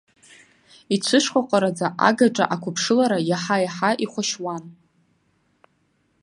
Ицәышҟаҟараӡа агаҿа ақәыԥшылара иаҳа-иаҳа ихәашьуан.